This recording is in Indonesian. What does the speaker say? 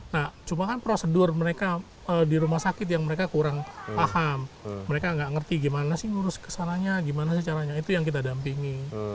nah cuma kan prosedur mereka di rumah sakit yang mereka kurang paham mereka nggak ngerti gimana sih ngurus kesananya gimana sih caranya itu yang kita dampingi